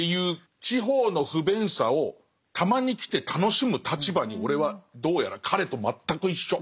地方の不便さをたまに来て楽しむ立場に俺はどうやら彼と全く一緒。